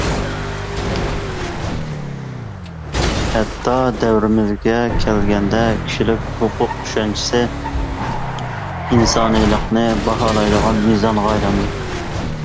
ھەتتا دەۋرىمىزگە كەلگەندە كىشىلىك ھوقۇق چۈشەنچىسى ئىنسانىيلىقنى باھالايدىغان مىزانغا ئايلاندى.